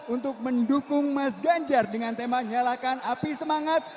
untuk mendukung mas ganjar dengan tema nyalakan api semangat